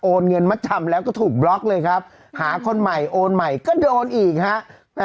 เงินมัดจำแล้วก็ถูกบล็อกเลยครับหาคนใหม่โอนใหม่ก็โดนอีกฮะ